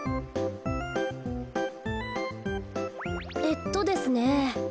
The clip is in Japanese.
えっとですね。